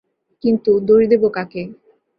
কিন্তু, দোষ দেব কাকে।